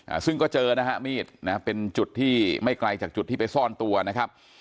อ่าซึ่งก็เจอนะฮะมีดนะฮะเป็นจุดที่ไม่ไกลจากจุดที่ไปซ่อนตัวนะครับ